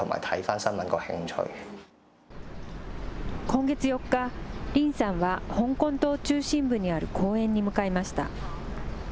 今月４日、林さんは香港島中心部にある公園に向かいました。